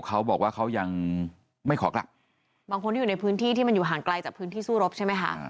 เขาบอกว่าเขายังไม่ขอกลับบางคนที่อยู่ในพื้นที่ที่มันอยู่ห่างไกลจากพื้นที่สู้รบใช่ไหมคะ